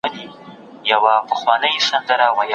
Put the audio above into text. آیا همکاري د پرمختګ لامل کیږي؟